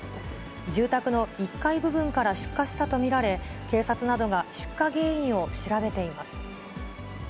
住宅の１階部分から出火したと見られ、警察などが出火原因を調べています。